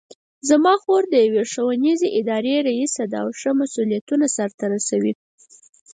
زما خور د یوې ښوونیزې ادارې ریسه ده او ښه مسؤلیتونه سرته رسوي